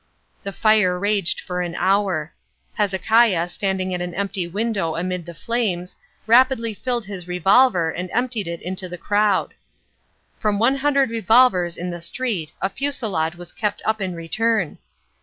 The fire raged for an hour. Hezekiah, standing at an empty window amid the flames, rapidly filled his revolver and emptied it into the crowd. From one hundred revolvers in the street a fusillade was kept up in return.